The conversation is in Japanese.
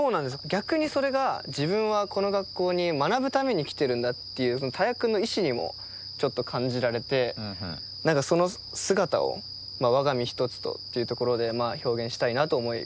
逆にそれが自分はこの学校に学ぶために来てるんだっていう田谷君の意志にもちょっと感じられて何かその姿を「我が身一つと」っていうところで表現したいなと思い